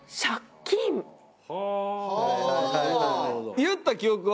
言った記憶は？